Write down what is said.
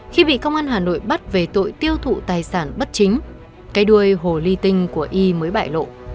khi bị công an hà nội bắt về tội tiêu thụ tài sản bất chính cái đuôi hồ ly tinh của y mới bại lộ